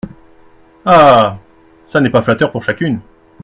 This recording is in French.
Ah ! ça n’est pas flatteur pour chacune.